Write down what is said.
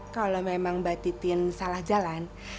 kalau memang mbak titin salah jalan